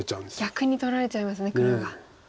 逆に取られちゃいますね黒が。